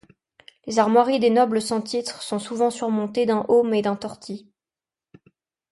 Les armoiries des nobles sans titre, sont souvent surmontés d'un heaume et d'un tortil.